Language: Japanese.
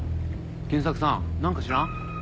賢作さんなんか知らん？